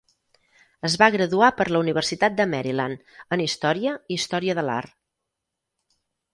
Es va graduar per la Universitat de Maryland, en Història i Història de l'Art.